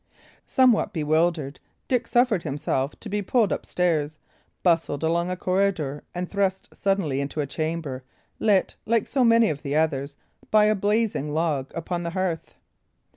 Somewhat bewildered, Dick suffered himself to be pulled up stairs, bustled along a corridor, and thrust suddenly into a chamber, lit, like so many of the others, by a blazing log upon the hearth.